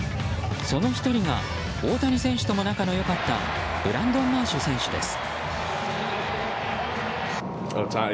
その１人が大谷選手とも仲の良かったブランドン・マーシュ選手です。